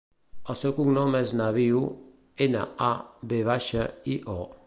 El seu cognom és Navio: ena, a, ve baixa, i, o.